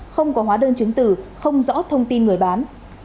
không có hóa đơn chứng tử không rõ thông tin người bán